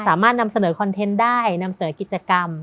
สามารถนำเสนอคอนเทนต์ได้นำเสนอกิจกรรม